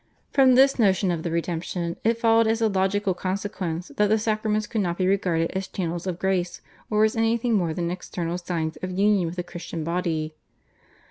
From this notion of the redemption it followed as a logical consequence that the sacraments could not be regarded as channels of grace or as anything more than external signs of union with the Christian body.